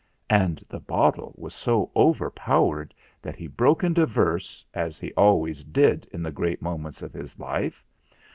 And the bottle was so overpowered that he broke into verse, as he always did in the great moments of his life.